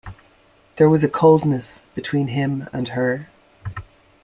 There was a coldness between him and her.